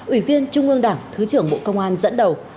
ủy viên trung ương đảng thứ trưởng bộ công an dẫn đầu